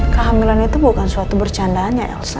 kehamilan itu bukan suatu bercandaan ya elsa